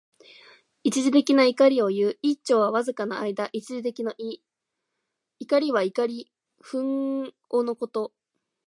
一時的な怒りをいう。「一朝」はわずかな間。一時的の意。「忿」は、怒り、憤怒のこと。